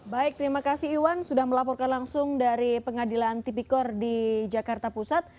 baik terima kasih iwan sudah melaporkan langsung dari pengadilan tipikor di jakarta pusat